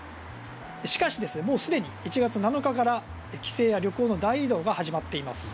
しかし、もうすでに１月７日から帰省や旅行の大移動が始まっています。